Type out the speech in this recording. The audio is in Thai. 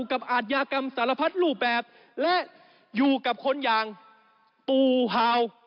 อาทยากรรมสารพัดรูปแบบและอยู่กับคนอย่างปู่ฮาว